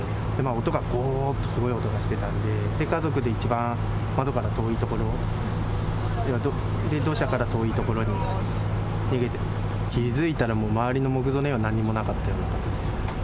音がごーっとすごい音がしてたんで、家族で一番窓から遠い所、土砂から遠い所に逃げて、気付いたら、もう周りの木造の家はなんにもなかったような形ですね。